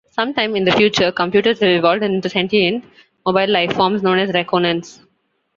Sometime in the future, computers have evolved into sentient, mobile life-forms known as 'Rakonans'.